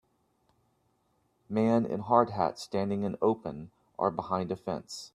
Man in hard hat standing in open are behind a fence.